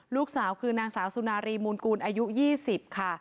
ลูกสาวคือนางสาวสุนารีมูลกูลอายุ๒๐ค่ะ